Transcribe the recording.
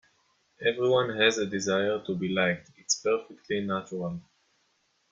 Everyone has a desire to be liked, it's perfectly natural.